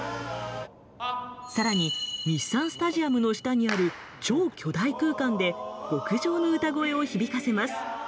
さらに日産スタジアムの下にある超巨大空間で極上の歌声を響かせます。